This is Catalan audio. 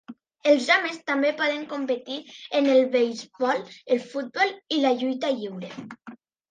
Els homes també poden competir en el beisbol, el futbol i la lluita lliure.